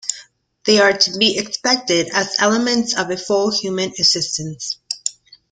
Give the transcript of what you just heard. They are to be expected as elements of a full human existence.